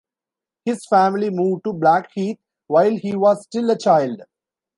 His family moved to Blackheath while he was still a child.